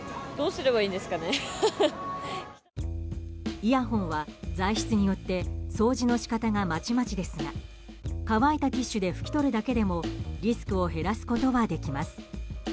イヤホンは材質によって掃除の仕方がまちまちですが乾いたティッシュで拭き取るだけでもリスクを減らせることはできます。